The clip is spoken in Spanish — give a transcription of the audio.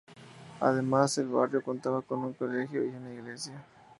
Además, el barrio contaba con un colegio y una iglesia.